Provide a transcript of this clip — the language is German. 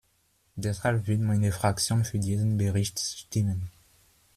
Deshalb wird meine Fraktion für diesen Bericht stimmen.